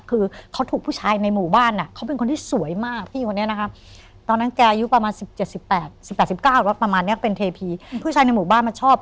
คือเขาถูกผู้ชายในหมู่บ้านเนี่ยผู้หญิงของในหมู่บ้านเนี่ยเขาเป็นคนที่สวยมาก